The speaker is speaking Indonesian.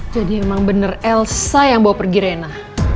jadi emang bener elsa yang bawa pergi rena